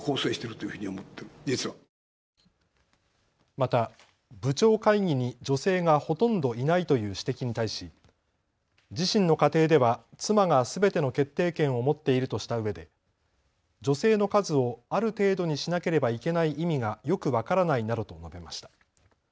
また部長会議に女性がほとんどいないという指摘に対し自身の家庭では妻がすべての決定権を持っているとしたうえで女性の数をある程度にしなければいけない意味がよく分からないなどと述べました。